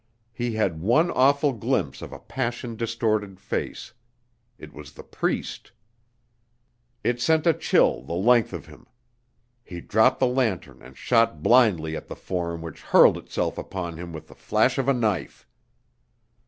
He had one awful glimpse of a passion distorted face; it was the Priest! It sent a chill the length of him. He dropped the lantern and shot blindly at the form which hurled itself upon him with the flash of a knife.